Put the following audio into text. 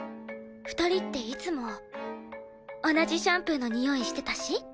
２人っていつも同じシャンプーのにおいしてたし？